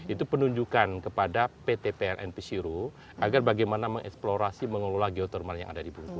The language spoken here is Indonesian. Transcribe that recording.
itu penunjukan kepada pt pln pesiru agar bagaimana mengeksplorasi mengelola geothermal yang ada di buku